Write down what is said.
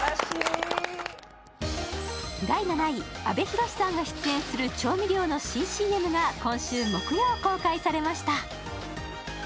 阿部寛さんが出演する調味料の新ＣＭが今週木曜、公開されました。